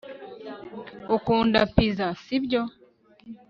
ukunda pizza, sibyo